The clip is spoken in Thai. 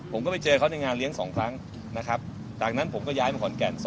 ผมก็ไปเจอเขาในงานเลี้ยง๒ครั้งนะครับจากนั้นผมก็ย้ายมาขอนแก่น